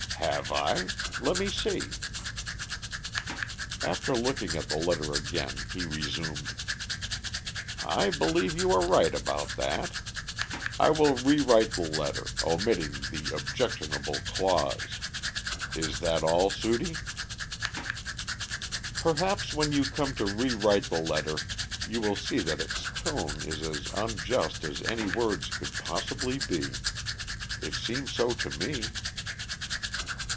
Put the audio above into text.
"Have I? Let me see." After looking at the letter again he resumed: "I believe you are right about that; I will rewrite the letter, omitting the objectionable clause. Is that all Sudie?" "Perhaps when you come to rewrite the letter you will see that its tone is as unjust as any words could possibly be. It seems so to me."